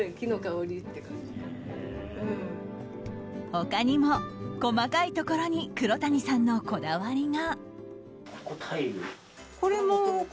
他にも、細かいところに黒谷さんのこだわりが。